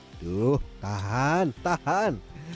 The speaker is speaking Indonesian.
aduh tahan tahan